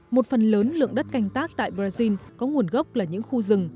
một phần lớn lượng đất canh tác tại brazil có nguồn gốc là những khu rừng